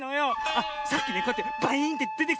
あっさっきこうやってバイーンってでてきたじゃない？